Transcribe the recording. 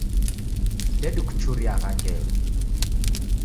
Ndedikuchuriagha ngelo.